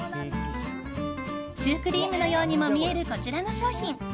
シュークリームのようにも見える、こちらの商品。